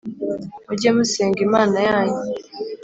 Mujye musenga imana yanyu